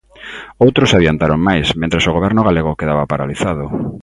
Outros adiantaron máis, mentres o Goberno galego quedaba paralizado.